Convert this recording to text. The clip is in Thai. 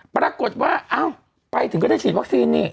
ปรากฏว่าอ้าวไปถึงก็ได้ฉีดวัคซีนนี่